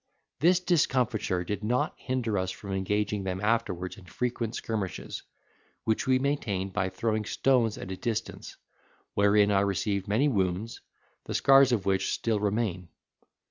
This discomfiture did not hinder us from engaging them afterwards in frequent skirmishes, which we maintained by throwing stones at a distance, wherein I received many wounds, the scars of which still remain.